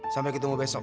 sampai ketemu besok